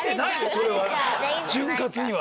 それは潤滑には。